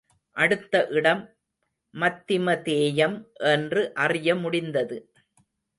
அடுத்த இடம் மத்திமதேயம் என்று அறிய முடிந்தது.